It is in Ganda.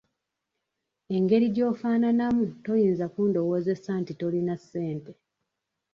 Engeri gy'ofaananamu toyinza kundowoozesa nti tolina ssente.